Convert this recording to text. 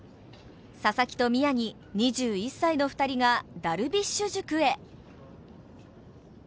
佐々木と宮城、２１歳の２人がダルビッシュ塾へ。